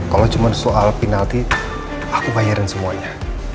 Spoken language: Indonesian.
kalau cuma soal penalti aku bayarin semuanya